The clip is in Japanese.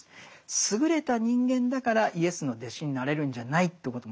優れた人間だからイエスの弟子になれるんじゃないということもですね